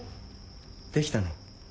できたの？